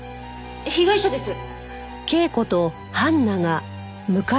被害者です。